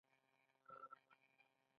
ډګروال سر وښوراوه او د خبرو حوصله یې نه وه